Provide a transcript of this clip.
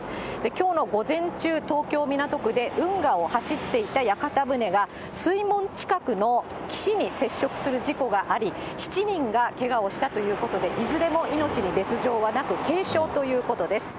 きょうの午前中、東京・港区で運河を走っていた屋形船が、水門近くの岸に接触する事故があり、７人がけがをしたということで、いずれも命に別状はなく、軽傷ということです。